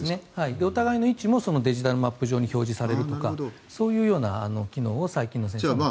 お互いの位置もデジタルマップ上に表示されるとかそういう機能が最近の戦車にはあります。